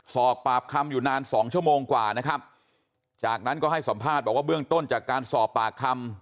สอบปากคำอยู่นานสองชั่วโมงกว่านะครับจากนั้นก็ให้สัมภาษณ์บอกว่าเบื้องต้นจากการสอบปากคำ